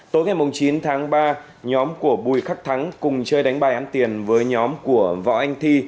tối ngày chín tháng ba nhóm của bùi khắc thắng cùng chơi đánh bài ăn tiền với nhóm của võ anh thi